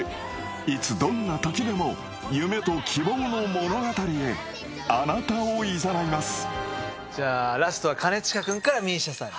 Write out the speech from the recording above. いつどんな時でも夢と希望の物語へあなたをいざないますじゃあラストは兼近君からＭＩＳＩＡさんに。